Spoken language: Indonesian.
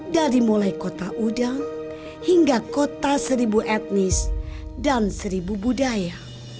dari mulai kota udang hingga kota seribu etnis dan seribu budaya